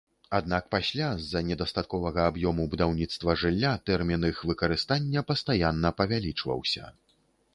Аднак пасля, з-за недастатковага аб'ёму будаўніцтва жылля, тэрмін іх выкарыстання пастаянна павялічваўся.